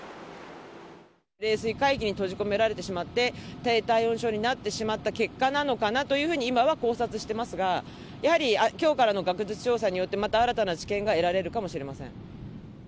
冷水海域に閉じ込められてしまって、低体温症になってしまった結果なのかなというふうに今は考察してますが、やはりきょうからの学術調査によってまた新たな知見が得られるかもしれません。